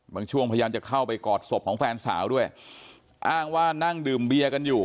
ช่วงพยายามจะเข้าไปกอดศพของแฟนสาวด้วยอ้างว่านั่งดื่มเบียร์กันอยู่